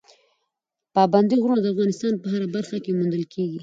پابندی غرونه د افغانستان په هره برخه کې موندل کېږي.